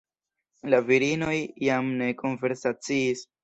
La virinoj jam ne konversaciis.